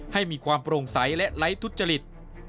ให้มีความโปร่งใสและไร้ทุจริต